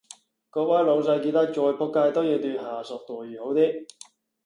各位老細記得再仆街都要對下屬待遇好啲